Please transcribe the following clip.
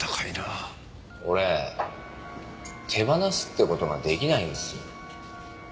俺手放すって事が出来ないんですよ。